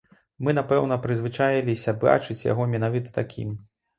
Мы, напэўна, прызвычаіліся бачыць яго менавіта такім.